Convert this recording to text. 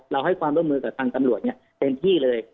ให้ความร่วมมือกับทางตำรวจเต็มที่เลย